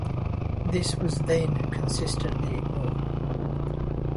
This was then consistently ignored.